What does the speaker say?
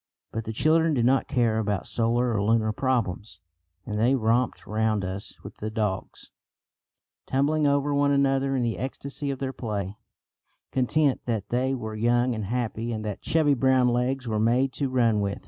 But the children did not care about solar or lunar problems, and they romped round us with the dogs, tumbling over one another in the ecstasy of their play, content that they were young and happy, and that chubby brown legs were made to run with.